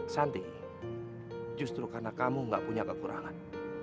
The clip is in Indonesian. santi justru karena kamu gak punya kekurangan